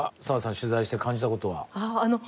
澤さん取材して感じたことはあ